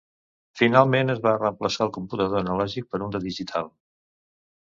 Finalment es va reemplaçar el computador analògic per un de digital.